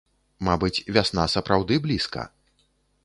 Мабыць, вясна сапраўды блізка.